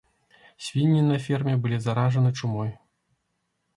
Свінні на ферме былі заражаны чумой.